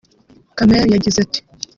Kamel yagize ati